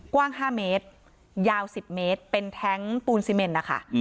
กว้าง๕เมตรยาว๑๐เมตรเป็นแท้งปูนซีเมนนะคะ